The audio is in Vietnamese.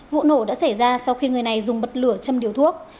vụ nổ đã xảy ra sau khi người này dùng bật lửa châm điều thuốc